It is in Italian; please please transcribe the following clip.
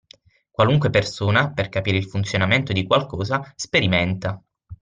Qualunque persona, per capire il funzionamento di qualcosa, sperimenta